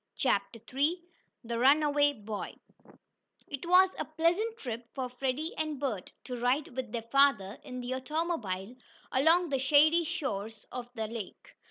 CHAPTER III THE RUNAWAY BOY It was a pleasant trip for Freddie and Bert to ride with their father in the automobile along the shady shores of the lake.